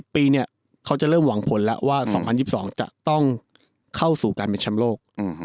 ปีเนี่ยเขาจะเริ่มหวังผลแล้วว่า๒๐๒๒จะต้องเข้าสู่การเป็นแชมป์โลก